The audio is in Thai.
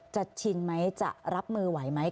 ชินไหมจะรับมือไหวไหม